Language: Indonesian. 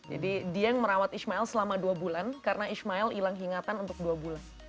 jadi dia yang merawat ismael selama dua bulan karena ismael hilang hingatan untuk dua bulan